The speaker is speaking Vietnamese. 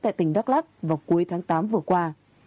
tại tỉnh đắk lắc vào cuối tháng tám vừa qua